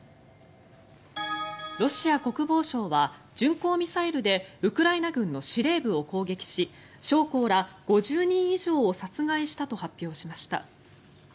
ロシア国防省は巡航ミサイルでウクライナ軍の司令部を攻撃し将校ら５０人以上を殺害したと発表しました。